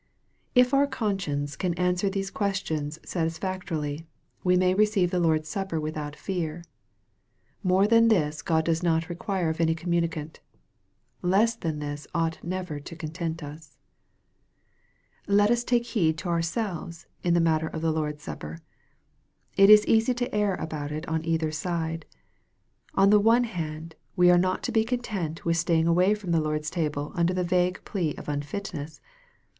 If our conscience can answer these questions satisfactorily, we may receive the Lord's supper without fear. More than this God does not require of any communicant. Less than this ought never to content us. Let us take heed to ourselves in the matter of the Lord's supper. It is easy to err about it on either side. On the one hand, we are not to be content with staying away from the Lord's table under the vague plea of unfitness.